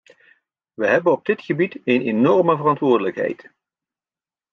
We hebben op dit gebied een enorme verantwoordelijkheid.